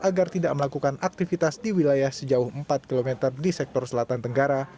agar tidak melakukan aktivitas di wilayah sejauh empat km di sektor selatan tenggara